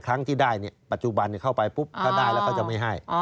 ครั้งที่ได้ปัจจุบันเข้าไปปุ๊บถ้าได้แล้วเขาจะไม่ให้